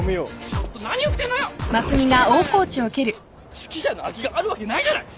指揮者の空きがあるわけないじゃない！